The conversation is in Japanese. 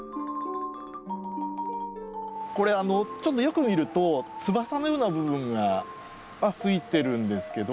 これよく見ると翼のような部分がついてるんですけど。